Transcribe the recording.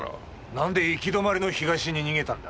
なんで行き止まりの東に逃げたんだ？